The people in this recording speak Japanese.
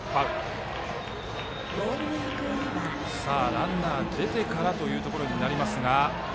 ランナーが出てからというところになりますが。